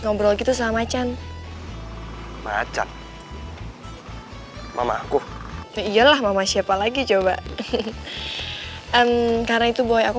ngobrol gitu sama can hai macam hai mama aku iyalah mama siapa lagi coba karena itu boy aku